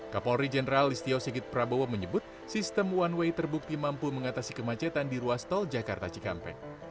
kapolri jenderal listio sigit prabowo menyebut sistem one way terbukti mampu mengatasi kemacetan di ruas tol jakarta cikampek